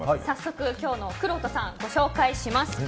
早速、今日のくろうとさんご紹介します。